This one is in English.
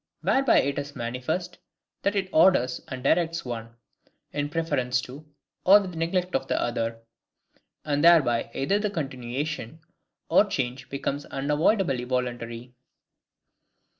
Whereby it is manifest, that IT orders and directs one, in preference to, or with neglect of the other, and thereby either the continuation or change becomes UNAVOIDABLY voluntary.